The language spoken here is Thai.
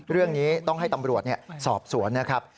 เรื่องนี้ต้องให้ตำรวจสอบสวนนะครับ